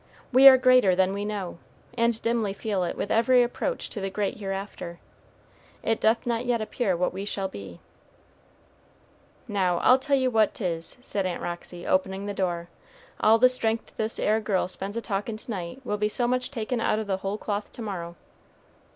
We are greater than we know, and dimly feel it with every approach to the great hereafter. "It doth not yet appear what we shall be." "Now, I'll tell you what 'tis," said Aunt Roxy, opening the door, "all the strength this 'ere girl spends a talkin' to night, will be so much taken out o' the whole cloth to morrow."